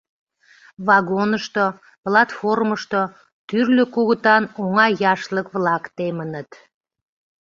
Вагонышто, платформышто тӱрлӧ кугытан оҥа яшлык-влак темыныт.